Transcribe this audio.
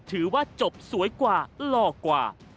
ถือว่าจบสวยกว่าหล่อกว่า